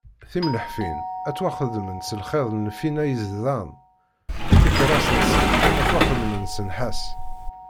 Timleḥfin ad ttwaxedment s lxiḍ n lfina yeẓdan, tikerras-nsent ad ttwaxedment s nnḥas.